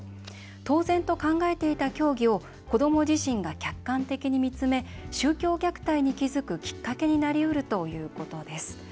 当然と考えていた教義を子ども自身が客観的に見つめ宗教虐待に気付くきっかけになりうるということです。